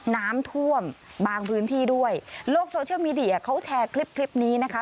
น้ำท่วมบางพื้นที่ด้วยโลกโซเชียลมีเดียเขาแชร์คลิปคลิปนี้นะคะ